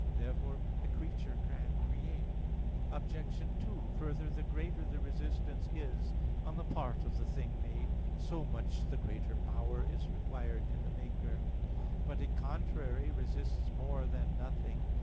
Therefore a creature can create. Obj. 2: Further, the greater the resistance is on the part of the thing made, so much the greater power is required in the maker. But a "contrary" resists more than "nothing."